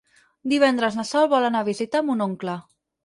Divendres na Sol vol anar a visitar mon oncle.